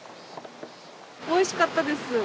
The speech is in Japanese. おいしかったです。